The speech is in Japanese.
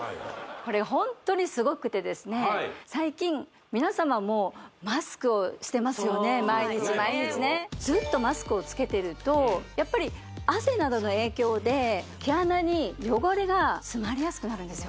これホントにすごくてですねはい最近毎日毎日そうですねずっとマスクをつけてるとやっぱり汗などの影響で毛穴に汚れが詰まりやすくなるんですよ・